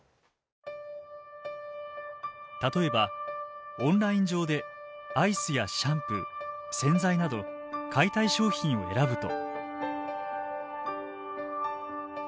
例えばオンライン上でアイスやシャンプー洗剤など買いたい商品を選ぶと。